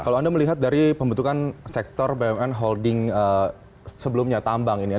kalau anda melihat dari pembentukan sektor bumn holding sebelumnya tambang ini ya